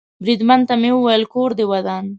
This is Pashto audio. بریدمن ته مې وویل: کور دې ودان.